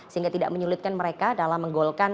sehingga tidak menyulitkan mereka dalam menggolkan